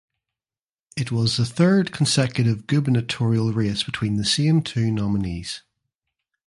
It was the third consecutive gubernatorial race between the same two nominees.